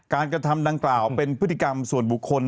กระทำดังกล่าวเป็นพฤติกรรมส่วนบุคคล